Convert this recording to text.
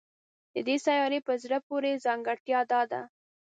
د دې سیارې په زړه پورې ځانګړتیا دا ده